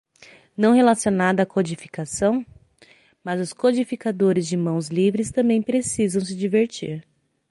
Não relacionado à codificação?, mas os codificadores de mãos livres também precisam se divertir.